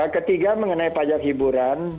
ketiga mengenai pajak hiburan